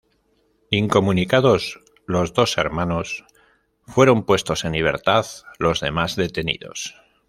Incomunicados los dos hermanos, fueron puestos en libertad los demás detenidos.